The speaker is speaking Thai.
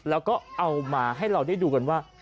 แล้วก็เอามาให้เราได้ดูกันว่า